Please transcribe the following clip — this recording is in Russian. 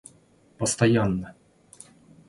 постоянно